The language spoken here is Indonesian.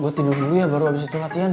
gue tidur dulu ya baru habis itu latihan